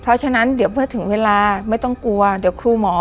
เพราะฉะนั้นเดี๋ยวเมื่อถึงเวลาไม่ต้องกลัวเดี๋ยวครูหมอ